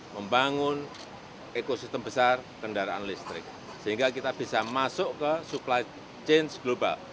membangun ekosistem besar kendaraan listrik sehingga kita bisa masuk ke supply change global